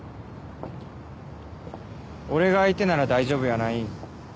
俺が相手なら大丈夫やないん？